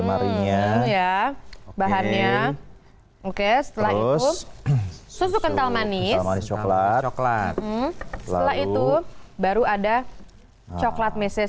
meriam ya bahannya oke setelah itu susu kental manis coklat coklat setelah itu baru ada coklat meses